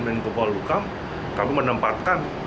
benkopo lukam kami menempatkan